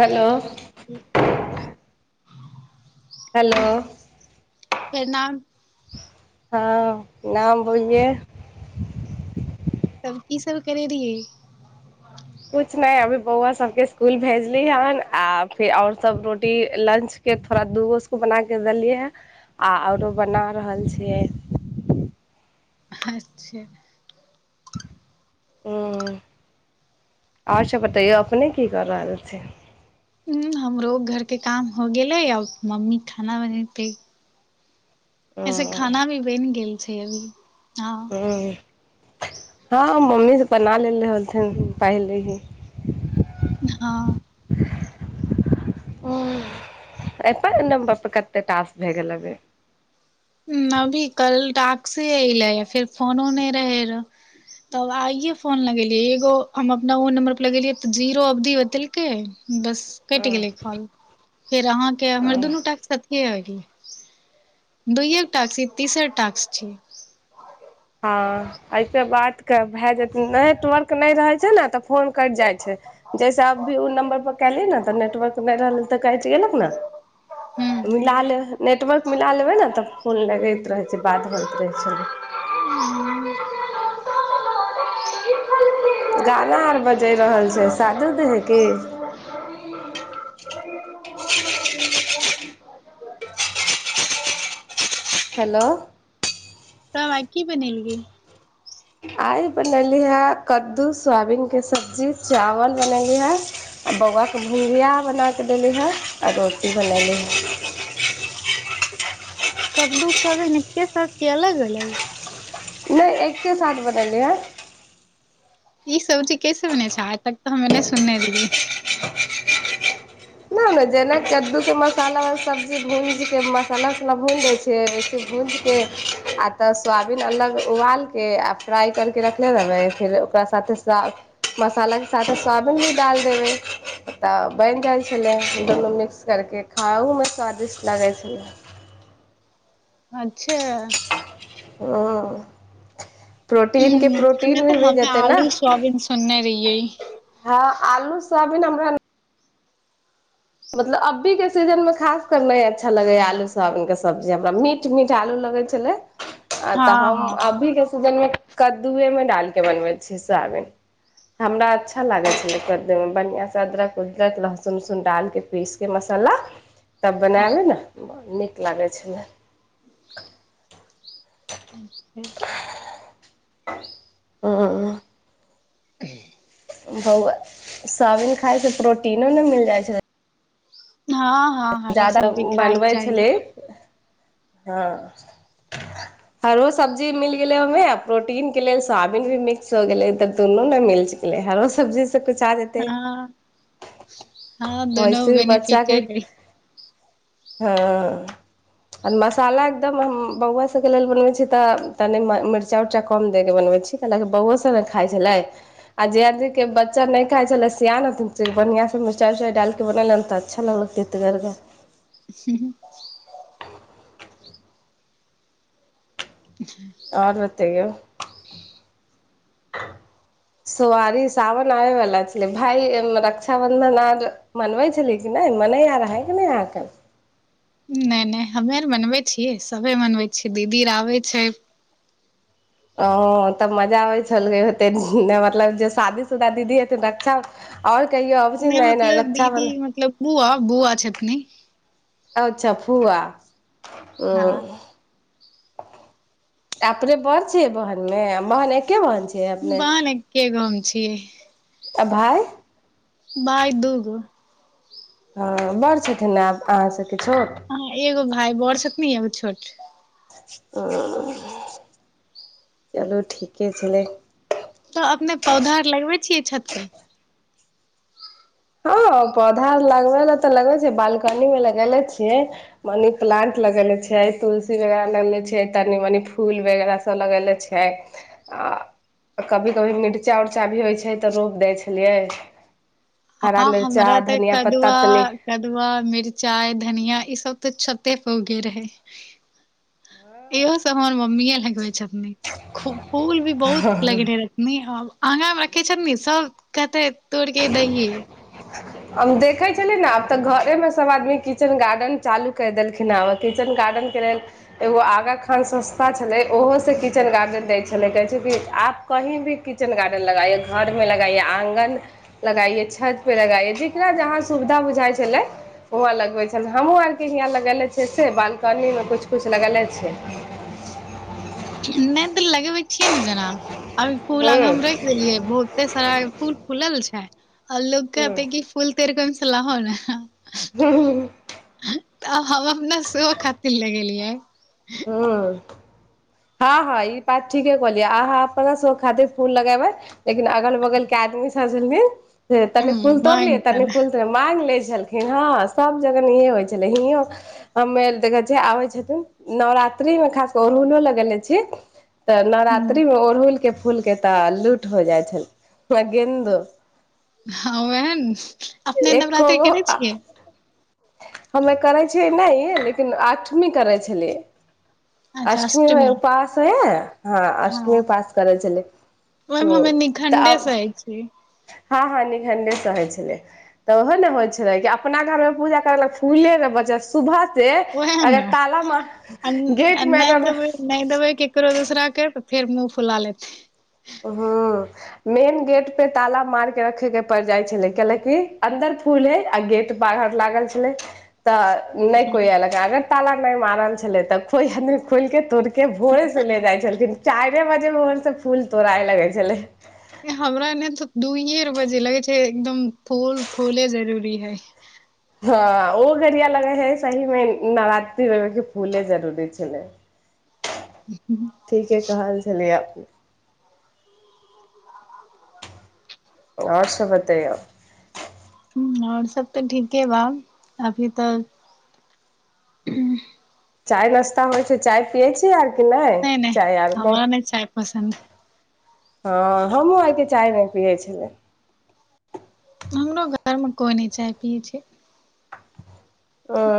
Hello, ओ [inaudible] hello, केर नाम हँ नाम बोइये? तब की सब करै रहियै? कुछ नै अभी बौवा सबके स्कुल भेजली हन आ फेर आओर सब रोटी लंच के थोड़ा दूगो उसको बना के देलियै हेंआ औरो बना रहल छियै। अच्छा। उं और सब बतइयौ अपने की कर रहल छी? उं हमरो घरके काम हो गेलै, आब मम्मी खाना बनेतै। ऐसे हूँ खाना भी बनि गेल छै अभी हँ। हँ। हँ मम्मी सँ बना लेलेे रहलथिन पहिले ही। हँ। अपन नमबर पर कते टास्क भए गेलो बे? अभी कल टाक्से अयलै फेर फोनो नै रहै रह तब आइये फोन लगेलियै एगो हम अपना ओ नम्बर पर लगेलियै त जीरो अवधी बतेलकै। बस कटि गेलै हूँ फल फेर अहाँके हमर हूँ दुनू टास्क अथिये होइ गेल। दुइये गो टाक्स कि तेसर टाक्स छी? हँ अइसे बात के भेए जेतै नेटवर्क नै रहै छै ने तऽ फोन कटि जाइ छै। जैसे अब भी उ नम्बर पर कयलै ने तऽ नेटवर्क नै रहलै तऽ कइट गेलौ ने। ह मिला लेब नेटवर्क मिला लेबै ने तऽ फोन लगैत रहै छै बात होइत रहै छलै। गाना आर बजै रहल छै शादी - उदी है कि? [inaudible] हेलो तब आय की बनेलियै? आइ बनेली हें कद्दू सोयाबीन के सब्जी चाबल बनेली हें। आ बौवा के भुंजिया बना कऽ देली हें आ रोटी बनयली हें। कद्दू सोयाबिन एक्के साथ कि अलग - अलग? नै एक्के साथ बनेलियै हें। ई सब्जी कैसे बनेै छै आइ तक तऽ हमे नै सुनने रहियै। नै नै जेना कद्दू के मसाला बला सब्जी भुंजिके मसाला उसाला भुनि दै छै। से बेसी भुंजि के आ त सोयाबीन अलग उबाल केे आ फ्राइ करके रखने रहबै फेर ओकरा साथे साथ मसाला के साथे सोआबिन भी डाल देबै तऽ बनि जाइ छै। छलै दुनू मिक्स करके खाओहुमे स्वादिष्ट लागै छलै। अच्छा। ह प्रोटीन के प्रोटीन भी भ जेतै न। कने रहिये हँ आलू सोयाबीन हमरा मतलब अभी के सीजन में खास कर नै अच्छा लगे ये, आलू सोयाबीन के सब्जी हमरा, मीठ मीठ आलू लगे छले। [inaudible] अतऽ हम हँ अभी के सीजन में कद्दूए में डाल के बनबे छियै साबिन, हमरा अच्छा लागे छल कद्दू। बढ़िआँ से अदरक वदरक, लहसुन वसुन डाल के पीस के मसाला तब हँ बनाबै ने नीक लागै छै। [unintelligible] [unintelligible] [unintelligible] [unintelligible] बोआ साविन खाय से प्रोटीनो ने मिल जाइ छै। हँ। हँ हरा जादा सब्जी खायके बनबै चाही छली हँ। [unintelligible] हरो सब्जी मिल गेले ओमें प्रोटीन के लेल सोआबीन भी मिक्स हो गेले तब दुनू ने मिल छैे। ले हरो सब्जी से कुछ आ जेते, हँ हँ दोनो ओैसे भी बच्चा बेनिफिटे के हइ हँ। आ मसाला एकदम हम बउआ सभके लेल बनबै छी तऽ तनी मिर्चा- उर्चा कम दे के बनबै छी। [unintelligible] बउवो सब ने खाय छलै। आ जे आदमि के बच्चा नै खाय छले सियान बढ़िया से मिरचाइ - उरचाइ डाल के बनेले तऽ अच्छा लगते। त करग। [unintelligible] और बतै यौ। [inaudible] सोवारी सावन आबै वला छलै भइ रक्षाबन्धन आर मनबै छेली कि नै मनैया रहै कि नै अहाँ के? ने हमे आर मनबै छि सभे मनबै छि दीदी आर आबै छै। ओ तब मजा आबै छल हेते, मतलब जे शादीशुदा दीदी हथिन रक्षा और कहियौ अबे छै न रक्षाबंधन बूआ बुआ छथीन्ह। अच्छा फुआ। हँ अपने बड छीये बहनमे बहन एके बहन छै। बहन एके गो हम छि। आ भाय? भाय दू गो। ह बड़ छथिन आ अहाँ स कि छोट? हँ एगो भाय बौढ़ छथिन्ह एगो छोट। ह चलू ठीके छेलै। तऽ अपने पौधा आर लगबे छियै छत पे? हँ पौधा लगबे ल तऽ लगे छै बालकनी मे लगेले छियै। मनी प्लांट लगेले छियै, तुलसी वगेराह लगेले छियै, तनी मनी फूल वगैरह सब लगेले छियै छियै आ कभी कभी मिर्चा उर्चा भी होइ छै तऽ रोप दै छलियै हरा हँ मिर्चा हमरा तऽ धनिया एकटा पत्ता कदुआ तनी कदुवा, मिरचाइ, धनिया ई सब तऽ छते प उगे रहे। इहो सभ हमर मम्मी ए लगाबै छथिन। खूब फूल भी बहुत लगेने रहथिन आ आगा मे किचेन मे सब। कते तोड़िके देलियै। हम देखै छलियै ने आब तऽ घरेमे सभ आदमी किचेन गार्डेन चालू करि देलखिन हेँ किचेन गार्डनके लेल एगो आगा खान सस्ता छलै ओहोसँ किचेन गार्डेन दै छलै कहै छै कि आब कहीँ भी किचेन गार्डन लगाइये, घरमे लगाइये आँगन लगाइये, छत पे लगाइये, जकरा जहाँ सुविधा बुझाइ छलै हुआँ लगबै छल, हमहूँ आरके हियाँ लगेले छियै से बालकनीमे किछु किछु लगेले छियै। नो तऽ लगेबे छियै ने जेना, अभी फूल ह्म्म आगां मे रहियै बहुते सारा फूल फुलल छै और लोग ह्म्म कहतै कि फुलतौर के छलाहो ने रहु। तऽ हम अपना सेहो खातिर लगेलियै। ह्म्म [inaudible] हँ हँ ई बात ठीके कहलियै, अहाँअपने खातिर फूल लगेबै लेकिन अगल बगल के आदमी सब जे छै, जे ह तनी फूल तोड़ लियै, तनी भयंकर फूल माँगि लै छलखिन हँ सब जगह इहे होइ छलै हियों हमे देखै छियै आबै छथिन नवरात्रि में खास के, अरहुलो लगेले छी, तऽ नवरात्रि में हँ ओड़हुल के फूल के तऽ लूट हो जाइ छलै, थोड़ा गेन्दो हँ ओहे ने, अपने एको नवरात्रि गो करै छियै। हमे करै छियै नहि लेकिन आठमी करै छलियै। अच्छा अष्टमीमे अष्टमी उपास होइ, हांअष्टमी हँ उपास करै छलियै। ओहिमे हमे निखण्डे सहय छिऐ। हँ हँ निखन्डे सहय छलियै, तऽ ओहो ने होइ छले कि अपना घर में पूजा फूले नहि बचय छै, सुबह से ओएह अगर ने आ ताला मारत, न- गेट आ मे नहि अगर देबै नहि देबै केकरो दोसरा के तऽफेर मुँह फुला लेत। हँ। मेन गेट पे ताला मार के रखे के पड़ जाइ छलै कैला की अन्दर फूल है आ गेट बाहर लागल छलै तऽ नहि कोइ एलक अगर ताला नहि मारल छलै तऽ कोई आदमी खोलि के तोड़ि के भोरे से ले जाइ छलखिन, चाइरे बजे भोर से फूल तोड़ाय लगै छलै। हमरा एने तऽ दूइये बजे लगे छै एकदम फूल फूले जरूरी है। हँ ओ बेरिया लगे हे सहीमे नवरात्रिके फूले जरूरी छलै। [inaudible] ठीके कहल छलैये। और सब बतैयो। हं और सब तऽ ठीके बा, अभी तऽ। हुं। चाय नास्ता होइ छै चाय पियै छी आ कि नै, नहि नहि चाय आ हमरा नहि चाय पसन्द बहु हँ हमहु अहांके चाय नै पियै छलौं। हमरो घरमे कोय नै चाय पीयै छै।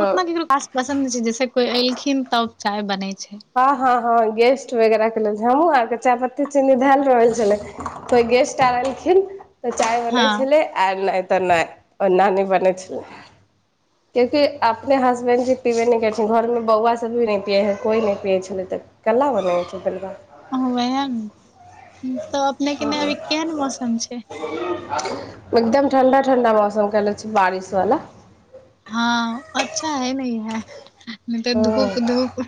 ओतना केकरो पास पसन्द नै छै जैसे कोय एलखिन तब चाय बनै छै। हां-हां-हां गेस्ट वगैरा के लेल हम्हु आर के चाय पत्ती चीनी धैल रहल छलै कोय गेस्ट आर ऐलखिन्ह तऽ चाय बनै हँ छलै आर नै तऽ नै ओना नै बनै छलै। कियाकि अपने हसबैंड जी पिबे नै करथिन, घरमे बौआ सब भी नै पियै हय, कोय नै पियै छलै तऽ कना बनय छै दलिया? हां वहै नै उम्म तब अपने के ईन्ने अभी केहेन मौसम छै। एकदम ठण्डा-ठण्डा मौसम कैला छै बारिश बला। हां अच्छा हय नै ईहे नै तै ह धूप-धूप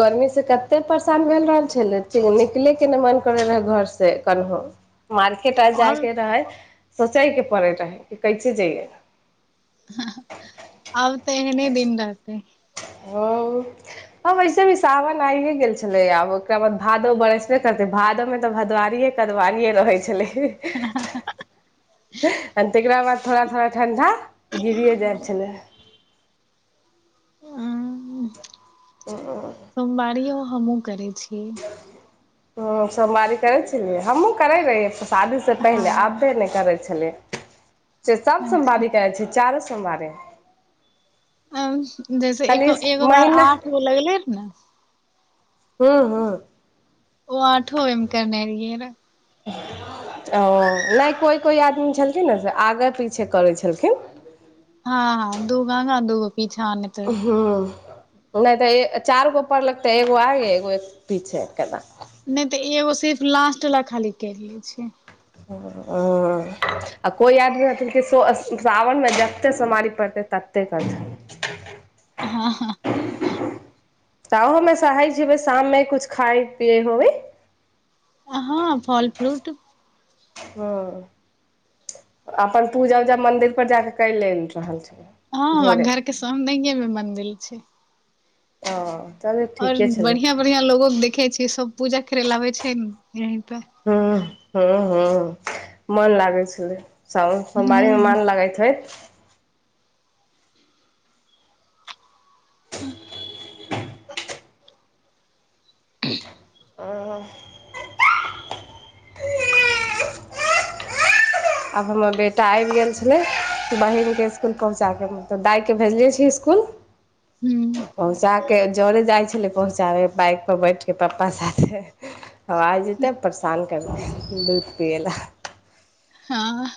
गर्मी से कत्ते परेशान भेल रहल छलै, ठीके निकले के नै मन करय रहै घर से कन्हो। मार्केट आर जाए आब के रहै सोचै के पड़ै रहै कि कैसे जइयै? अब तै ऐहने दिन रहते हौ हां वैसे भी सावन आइए गेल छलै आब ओकरा बाद भादो बरसबे करते भादा मे तऽ भदवारिए कदवारीए रहै छलै ए तकरा बाद थोड़ा-थोड़ा ठण्डा गिरियै जाएत छलै औ सोमबारियो हम्हुँ करय छी। ओ सोमवारी करय छलियै, हम्हुँ करय रहिए शादी से हँ पहिले आब्बे नै करय छलिए। से सब अच्छा सोमवारी करय छीयै चारो सोमवारी एमे जैसे खाली एको एक बार महिना आठगो लगलै रहै नै हां-हां। ओ आठो एमे कैने रहियै रै औ नै कोय-कोय आदमी छलखिन्ह नै से आगे पीछे करय छलखिन्ह। हां-हां दूगो आगा दूगो पीछा नै हुं। नै तै ए चाएर गो पढ़लक तै एगो आगे एगो एक पीछे केलक। नै तै एगो सिर्फ लास्ट बला खाली कैर लै छै। [unintelligible] आ कोय आदमी रहथिन कि सो आ सावन मे जत्ते सोमवारी पड़तै तत्ते करथिन। हां-हां। ताहौ में सहै छियै शाम मे कुछ खाय पिए होबै? हां फल फ्रूट। हां। अपन पूजा-उजा मंदिर पर जाकर कर लेन रहल छल हां हमरा घर के सामनेयै मे मंन्दिल छै। औ। और बढ़िया-बढ़िया लोगो के देखे छियै सब पूजा करय लै आबे छै नै यहीं पे हुं हां-हां मन लागै छलै। सावन सोमवारी मे हूँ मन लगय छै। हां। आहां आब हमर बेटा आबि गेल छलै बहिनके स्कुल पहुँचा कऽ मलब दाइके भेजले छी स्कुल। हूँ पहुँचा के जोरी जाइ छलै पहुँचाबे बाइक। बैठके पप्पा साथे आवइ जेतै परेशान करतै दूध पिए लै। हँ।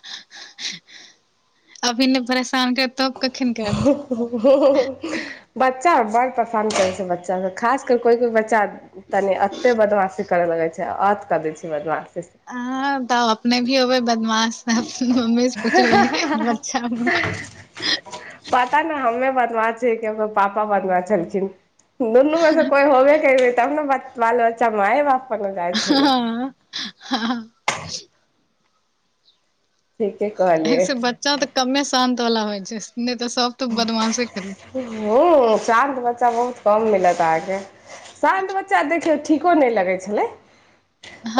अभी नइ परेशान करत तब कखन करत। बच्चा बड़ पसन्द करै छै बच्चाके खासकर कोइ कोइ बच्चा। तनि एते बदमाशी करय लगैत छै अत कऽ दै छीयै बदमाशी। तब अपने भी होबै बदमाश अपन मम्मी से पुछबै बच्चा मे। पता ने हमे बनबा छियै कि हमर पापा बनबा छलखिन। दुनू मे से कोइ होबे करै तब ने बाल बच्चा मैए बाप। पर ने जाइ छलै हँ ह। ठीके कहलियै ऐसे बच्चा तऽ कमे शान्त वला होइ छै नहि तऽ सब तऽ बदमाशे करी। ह शान्त बच्चा बहुत कम मिलत अहाँके शान्त बच्चा देखियौ ठीक। लगै छलै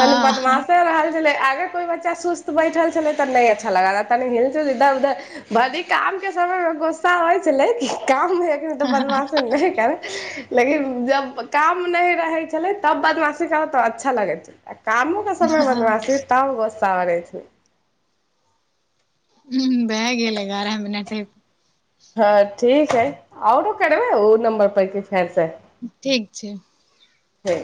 तनी बदमाशे रहल छलै आगे कोइ बच्चा। सुस्त बैठल छलै तऽ नहि अच्छा लग रह त हिलचु इर उधर भ काम के समय। हां होइ छलै काम ह बदव। माासी नहि कर लेकिन जब काम नहि रहै छलै तब बदमाशी करऽ त अच्छा लगै छै। आ कामो के समय हँ बनबा छै तब गोस्सा ब रहै छै। हूं भै गेलै एगारह मिनट। हँ ठीक है आओरो करबे ओ नम्बर पर के फेर से। ठीक छै। छै।